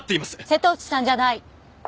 瀬戸内さんじゃない。